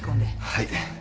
はい。